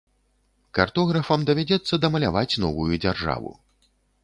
Картографам давядзецца дамаляваць новую дзяржаву.